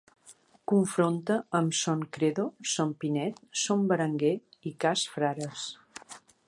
Confronta amb Son Credo, Son Pinet, Son Berenguer i Cas Frares.